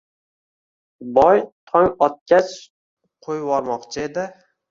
Boy tong otgach qo‘yvormoqchi edi-